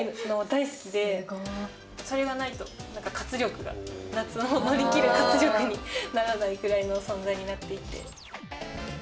それがないと活力がにならないくらいの存在になっていて。